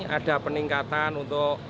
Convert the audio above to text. ada peningkatan untuk